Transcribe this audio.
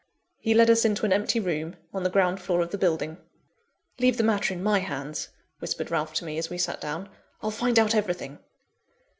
He led us into an empty room, on the ground floor of the building. "Leave the matter in my hands," whispered Ralph to me, as we sat down. "I'll find out everything."